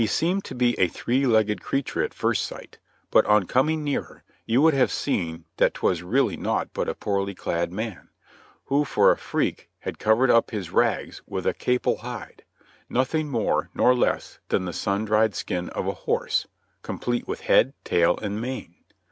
It seemed to be a three legged monster at first sight, but on coming nearer one might see that 'twas really a poorly clad man, who for a freak had covered up his rags with a capul hide, nothing more nor less than the sun dried skin of a horse, complete with head and tail and mane.